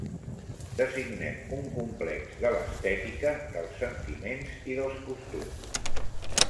Designem un complex de l'estètica, dels sentiments i dels costums.